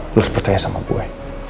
lo harus percaya sama gue